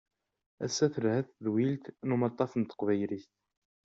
Ass-a telha tedwilt n umaṭṭaf n taqbaylit.